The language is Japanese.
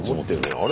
あれ？